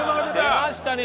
出ましたね